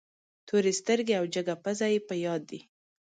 تورې سترګې او جګه پزه یې په یاد دي.